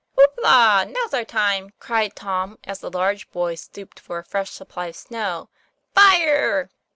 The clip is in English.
"Whoop la! Now's our time," cried Tom, as the large boys stooped for a fresh supply of snow. "Fire!"